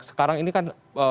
sekarang ini kan